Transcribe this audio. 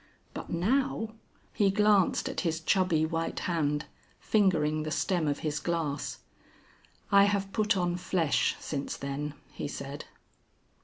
But now " He glanced at his chubby white hand, fingering the stem of his glass. "I have put on flesh since then," he said.